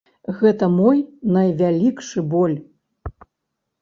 Гэта мой найвялікшы боль.